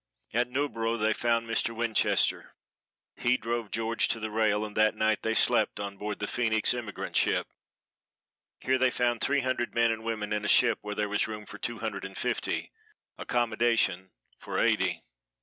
At Newborough they found Mr. Winchester. He drove George to the rail, and that night they slept on board the Phoenix emigrant ship. Here they found three hundred men and women in a ship where there was room for two hundred and fifty, accommodation for eighty.